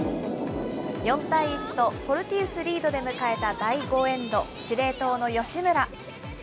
４対１と、フォルティウス、リードで迎えた第５エンド、司令塔の吉村。